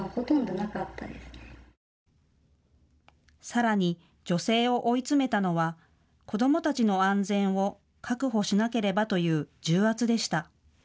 さらに女性を追い詰めたのは子どもたちの安全を確保しなければという重圧でした。